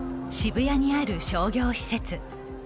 渋谷にある商業施設。